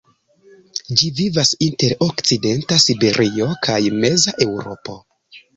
Ĝi vivas inter okcidenta Siberio kaj meza Eŭropo.